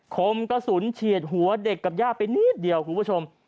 คมกระสุนเฉียดหัวเด็กกับย่าไปนิดเดียวคุณผู้ชม